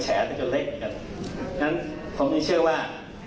ฉะนั้นผมยังเชื่อว่า